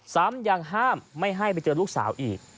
ซ้ำยังห้ามไม่ให้ไปเจอลูกสาวอีก